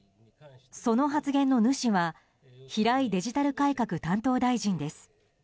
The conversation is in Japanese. その発言の主は平井デジタル改革担当大臣です。